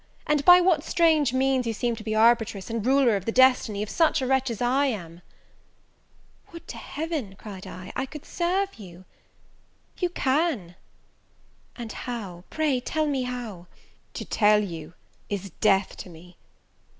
and by what strange means you seem to be arbitress and ruler of the destiny of such a wretch as I am?" "Would to Heaven," cried I, "I could serve you!" "You can!" "And how? Pray tell me how?" "To tell you is death to me!